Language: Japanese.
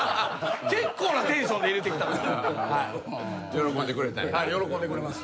結構なテンションで入れてきたから。